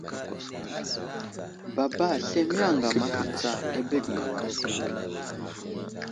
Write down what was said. Baba slemiye aŋgam atu tsa abege maŋay.